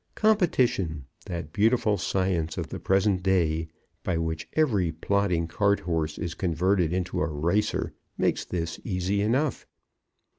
Competition, that beautiful science of the present day, by which every plodding cart horse is converted into a racer, makes this easy enough.